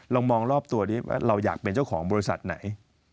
มองรอบตัวนี้ว่าเราอยากเป็นเจ้าของบริษัทไหน